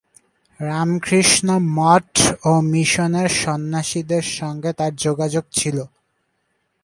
রামকৃষ্ণ মঠ ও মিশনের সন্ন্যাসীদের সঙ্গে তার যোগাযোগ ছিল।